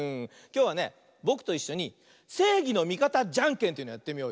きょうはねぼくといっしょに「せいぎのみかたじゃんけん」というのやってみようよ。